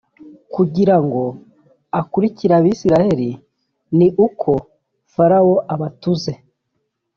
kugira ngo akurikire abisirayeli ni uko Farawo abatuze